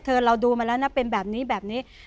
เราดูมาแล้วนะเป็นแบบนี้แบบนี้